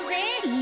え。